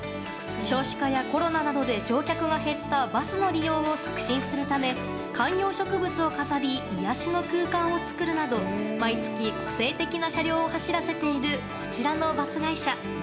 少子化やコロナなどで乗客が減ったバスの利用を促進するため観葉植物を飾り癒やしの空間を作るなど毎月個性的な車両を走らせているこちらのバス会社。